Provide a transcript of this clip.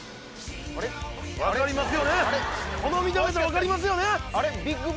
分かりますよね。